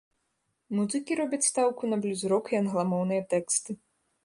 Музыкі робяць стаўку на блюз-рок і англамоўныя тэксты.